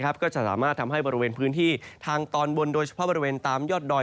บริเวณพื้นที่ทางตอนบนโดยเฉพาะบริเวณตามยอดดอย